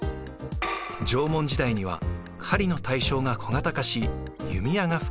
縄文時代には狩りの対象が小型化し弓矢が普及。